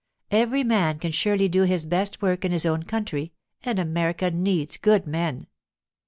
Every man can surely do his best work in his own country, and America needs good men.